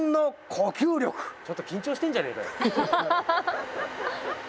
ちょっと緊張してんじゃねえかよ。